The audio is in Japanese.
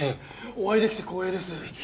お会いできて光栄です。